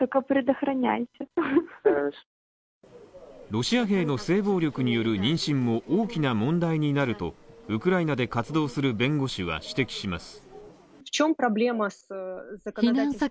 ロシア兵の性暴力による妊娠も大きな問題になると、ウクライナで活動する弁護士は指摘します。